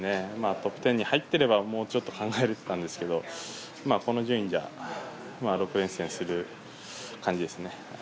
トップ１０に入っていればもうちょっと考えられていたんですがこの順位じゃ６連戦する感じですね。